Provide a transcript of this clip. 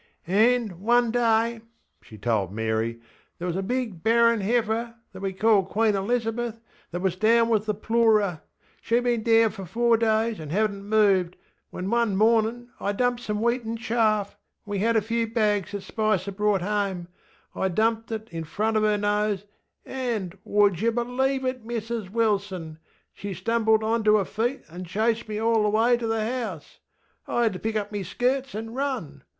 ŌĆśAnŌĆÖ, one day, ŌĆÖ she told Mary, ŌĆśthere was a big barren heifer (that we called Queen Elizabeth) that was down with the ploorer. SheŌĆÖd been down for four days and hadnŌĆÖt moved, when one morninŌĆÖ I dumped some wheaten chaffŌĆöwe had a few bags that Spicer brought homeŌĆö I dumped it in front of her nose, anŌĆÖŌĆöwould yer bŌĆÖlieve me, Mrs Wilson? ŌĆö she stumbled onter her feet anŌĆÖ chased me all the way to the house! I had to pick up me skirts anŌĆÖ run!